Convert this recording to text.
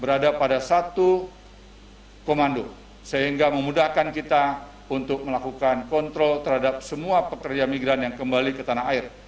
berada pada satu komando sehingga memudahkan kita untuk melakukan kontrol terhadap semua pekerja migran yang kembali ke tanah air